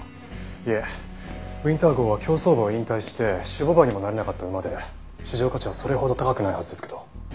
いえウィンター号は競走馬を引退して種牡馬にもなれなかった馬で市場価値はそれほど高くないはずですけど。